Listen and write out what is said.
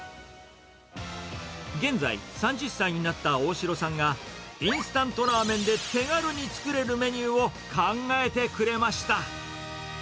現在、３０歳になった大城さんが、インスタントラーメンで手軽に作れるメニューを考えてくれました。